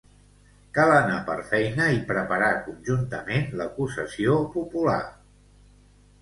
Cal anar per feina i preparar conjuntament l'acusació popular.